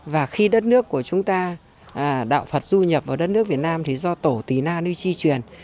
và khi đất nước của chúng ta đạo phật du nhập vào đất nước việt nam thì do tổ tý na nư chi truyền